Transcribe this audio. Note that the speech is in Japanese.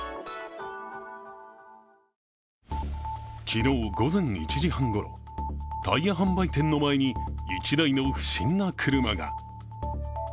昨日午前１時半ごろ、タイヤ販売店の前に１台の不審な車が。